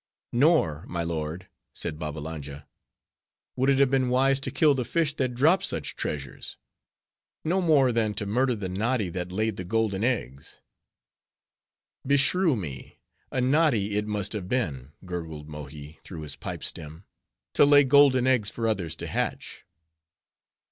"Nor, my lord," said Babbalanja, "would it have been wise to kill the fish that dropped such treasures: no more than to murder the noddy that laid the golden eggs." "Beshrew me! a noddy it must have been," gurgled Mohi through his pipe stem, "to lay golden eggs for others to hatch."